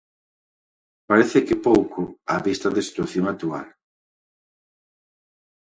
Parece que pouco, á vista da situación actual.